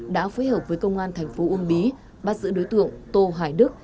đã phối hợp với công an thành phố uông bí bắt giữ đối tượng tô hải đức